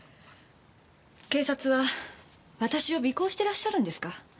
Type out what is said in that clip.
警察は私を尾行してらっしゃるんですか？